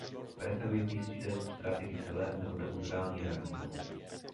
Preferuje písčité substráty kyselé nebo neutrální reakce.